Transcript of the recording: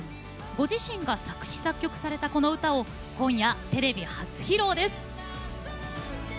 ご自身が作詞・作曲されたこの歌を今夜テレビ初披露です。